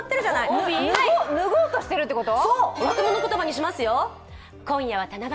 脱ごうとしてるってこと？